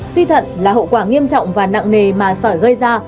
suy thận là hậu quả nghiêm trọng và nặng nề mà sỏi gây ra